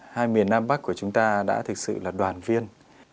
hai miền nam bắc của chúng ta đã thực sự là đoàn viên